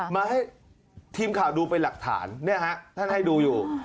มาให้ทีมข่าวดูเป็นหลักฐานเนี่ยฮะท่านให้ดูอยู่